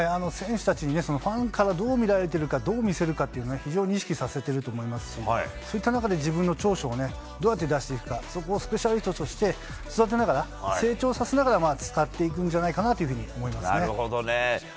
選手たちにファンからどう見られているかどう見せるかというのを非常に意識させていると思いますしそういった中で自分の長所をどうやって出していくかそこをスペシャリストとして育てながら、成長させながら